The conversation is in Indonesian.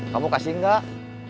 kamu kasih enggak